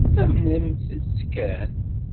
Amnemt-t kan.